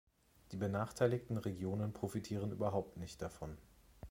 Die benachteiligten Regionen profitieren überhaupt nicht davon.